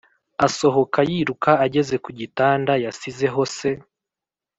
asohoka yiruka ageze kugitanda yasizeho se